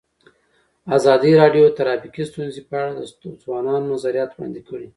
ازادي راډیو د ټرافیکي ستونزې په اړه د ځوانانو نظریات وړاندې کړي.